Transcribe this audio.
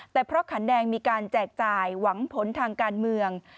แต่เพราะขันแดงมีการแจกจ่ายหวังผลทางการเมือง